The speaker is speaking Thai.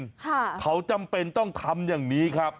ค่ะเขาจำเป็นต้องทำอย่างนี้ครับ